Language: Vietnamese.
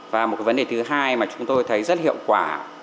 và một vấn đề thứ hai mà chúng tôi thấy rất hiệu quả